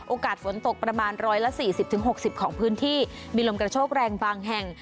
ฝนตกประมาณ๑๔๐๖๐ของพื้นที่มีลมกระโชคแรงบางแห่ง